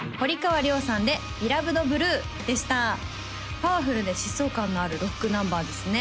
パワフルで疾走感のあるロックナンバーですね